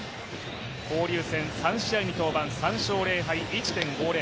交流戦３試合に登板、３勝０敗、防御率１．５０。